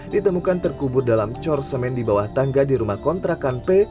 ditemukan terkubur dalam cor semen di bawah tangga di rumah kontrakan p